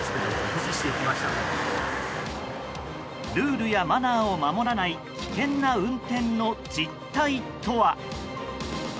ルールやマナーを守らない危険な運転の実態とは。